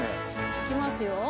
行きますよ。